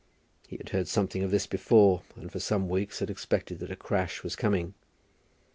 He had heard something of this before, and for some weeks had expected that a crash was coming.